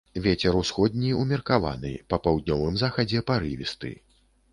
Вецер усходні ўмеркаваны, па паўднёвым захадзе парывісты.